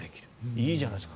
いいじゃないですか。